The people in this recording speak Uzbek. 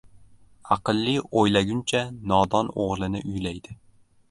• Aqlli o‘ylanguncha nodon o‘g‘lini uylaydi.